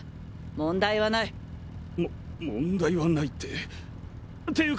問題はない！も問題はないってっていうか